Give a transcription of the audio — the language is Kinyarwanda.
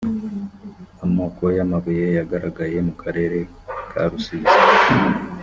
amoko y ‘amabuye yagaragaye mu karere karusizi.